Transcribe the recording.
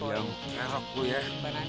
yang kerok lo ya